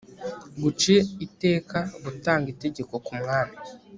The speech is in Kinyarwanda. guca iteka gutanga itegeko k'umwami